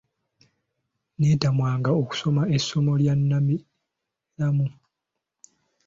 Neetamwanga okusoma essomo lya nnabiramu.